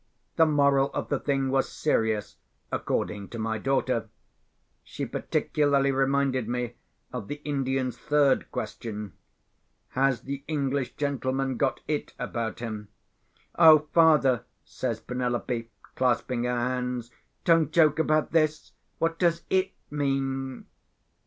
The moral of the thing was serious, according to my daughter. She particularly reminded me of the Indian's third question, Has the English gentleman got It about him? "Oh, father!" says Penelope, clasping her hands, "don't joke about this. What does 'It' mean?"